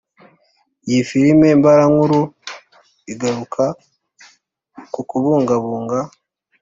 Iyi filime mbarankuru igaruka ku kubungabunga